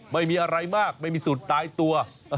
ไม่มีอะไรมากไม่มีสูตรตายตัว